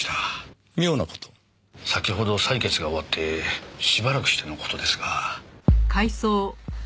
先ほど採血が終わってしばらくしての事ですが。